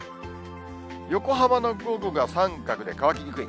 横浜の午後が三角で乾きにくい。